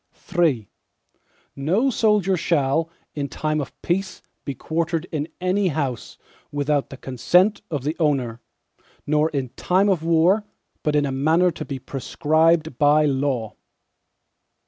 III No soldier shall, in time of peace be quartered in any house, without the consent of the owner, nor in time of war, but in a manner to be prescribed by law.